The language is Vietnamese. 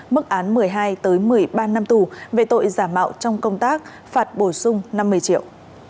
mức án một mươi hai một mươi ba năm tù về tội giả mạo trong công tác phạt bổ sung năm mươi triệu